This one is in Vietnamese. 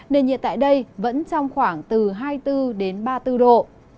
nền nhiệt tại đây vẫn trong khoảng từ hai mươi bốn đến ba mươi bốn độ